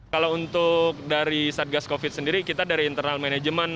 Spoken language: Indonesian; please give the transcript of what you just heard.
kalau untuk dari satgas covid sendiri kita dari internal manajemen